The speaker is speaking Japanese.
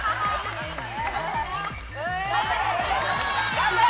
頑張れ。